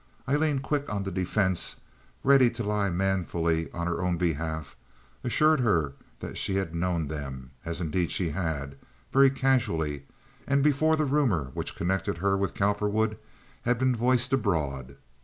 Aileen, quick on the defense, ready to lie manfully on her own behalf, assured her that she had known them, as indeed she had—very casually—and before the rumor which connected her with Cowperwood had been voiced abroad.